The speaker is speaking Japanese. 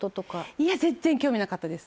いや全然興味なかったです。